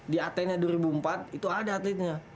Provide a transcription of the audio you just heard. di atena dua ribu empat itu ada atletnya